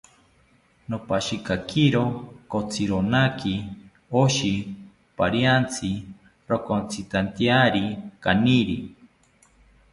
Nopashikakiro kotzironaki oshi pariantzi ronkotzitantyari kaniri